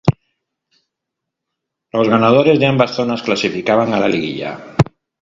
Los ganadores de ambas zonas clasificaban a la Liguilla.